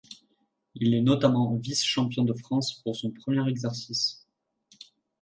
Il est notamment vice-champion de France pour son premier exercice.